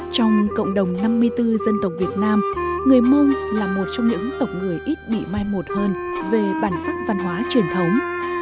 trong cộng đồng năm mươi bốn dân tộc việt nam người mông là một trong những tộc người ít bị mai một hơn về bản sắc văn hóa truyền thống